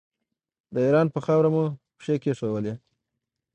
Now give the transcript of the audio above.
د ایران پر خاوره مو پښې کېښودې.